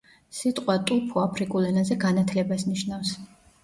სიტყვა ტუთო აფრიკულ ენაზე განათლებას ნიშნავს.